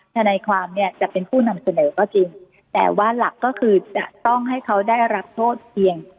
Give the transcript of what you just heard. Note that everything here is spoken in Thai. ทนายความเนี่ยจะเป็นผู้นำเสนอก็จริงแต่ว่าหลักก็คือจะต้องให้เขาได้รับโทษเพียง